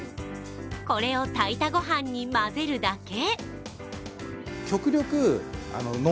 これを炊いたご飯に混ぜるだけ。